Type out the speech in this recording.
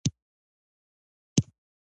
هغه د ناتوانۍ په کنده کې ډوبیږي.